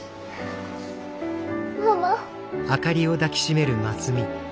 ママ。